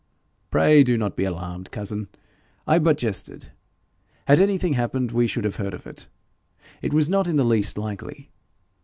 'Pray, do not be alarmed, cousin: I but jested. Had anything happened, we should have heard of it. It was not in the least likely.